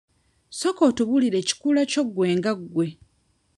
Sooka otubuulira ekikula kyo gwe nga gwe.